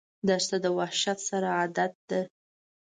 دښته د وحشت سره عادت ده.